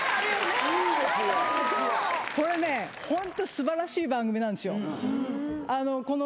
これねホント素晴らしい番組なんですよ。